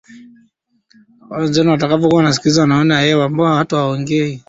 charles aliingia kwenye eneo la ajali kwa zaidi ya masaa mawili